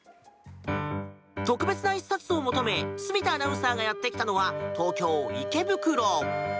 特別な１冊を求め住田アナウンサーがやってきたのは東京・池袋。